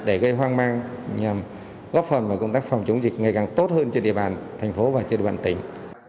để gây hoang mang nhằm góp phần vào công tác phòng chống dịch ngày càng tốt hơn trên địa bàn thành phố và trên địa bàn tỉnh